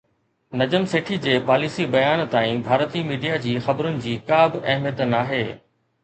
نجم سيٺي جي پاليسي بيان تائين ڀارتي ميڊيا جي خبرن جي ڪا به اهميت ناهي